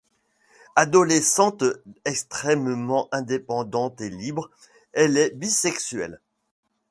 Adolescente extrêmement indépendante et libre, elle est bisexuelle.